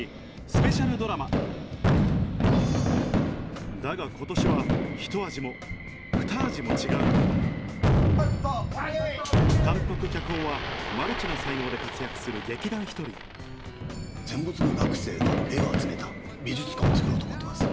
スペシャルドラマだが今年はひと味もふた味も違うマルチな才能で活躍する戦没画学生の絵を集めた美術館をつくろうと思ってます。